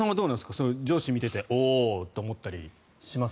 そういう上司を見ていておおーと思ったりします？